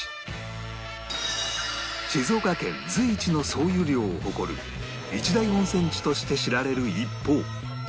静岡県随一の総湯量を誇る一大温泉地として知られる一方